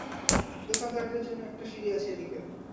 দোকানদারদের জন্য একটা সিঁড়ি আছে এদিকে।